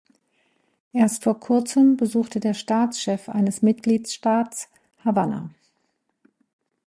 Erst vor kurzem besuchte der Staatschef eines Mitgliedstaats Havanna.